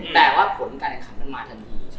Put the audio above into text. แต่ว่าผลการแอนคำมันมาทันดี